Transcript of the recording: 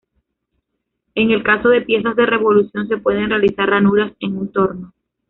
En el caso de piezas de revolución se pueden realizar ranuras en un torno.